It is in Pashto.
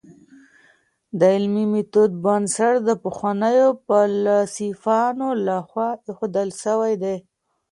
د علمي ميتود بنسټ د پخوانیو فيلسوفانو لخوا ايښودل سوی دی.